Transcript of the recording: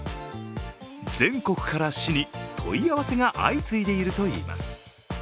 全国から市に問い合わせが相次いでいるといいます。